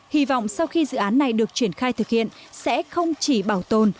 hy vọng sau khi dự án này được triển khai thực hiện sẽ không chỉ bảo tồn